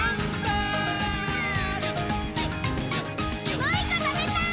もう１こ、たべたい！